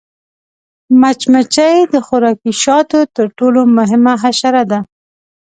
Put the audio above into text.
مچمچۍ د خوراکي شاتو تر ټولو مهمه حشره ده